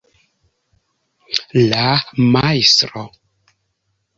la Majstro